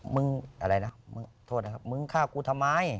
มึงอะไรนะมึงโทษนะครับมึงฆ่ากูทำไม